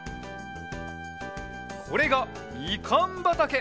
これがみかんばたけ！